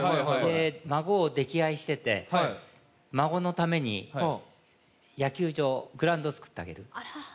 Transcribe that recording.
孫を溺愛してて、孫のために野球場、グラウンドを作ってあげる。